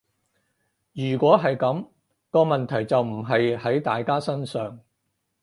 如果係噉，個問題就唔係喺大家身上